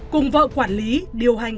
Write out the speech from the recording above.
cùng vợ quản lý điều hành